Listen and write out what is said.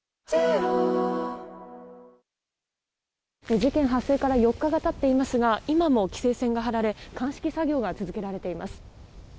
事件発生から４日が経っていますが今も規制線が張られ鑑識作業が続けられています。